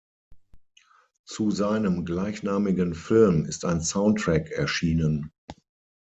Zu seinem gleichnamigen Film ist ein Soundtrack erschienen.